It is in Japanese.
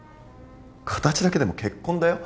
形だけでも結婚だよ？